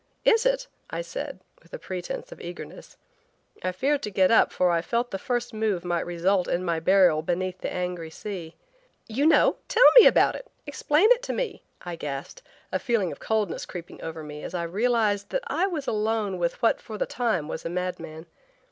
"Is it?" I said, with a pretense of eagerness. I feared to get up for I felt the first move might result in my burial beneath the angry sea. "You know, tell me about it. Explain it to me," I gasped, a feeling of coldness creeping over me as I realized that I was alone with what for the time was a mad man.